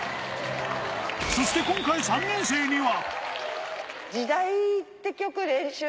そして今回３年生には。